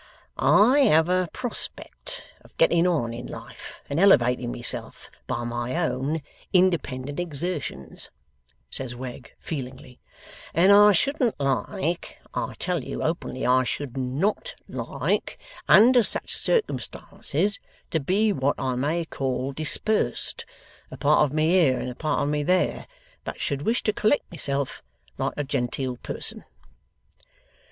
'I have a prospect of getting on in life and elevating myself by my own independent exertions,' says Wegg, feelingly, 'and I shouldn't like I tell you openly I should NOT like under such circumstances, to be what I may call dispersed, a part of me here, and a part of me there, but should wish to collect myself like a genteel person.